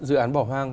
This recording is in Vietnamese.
dự án bỏ hoang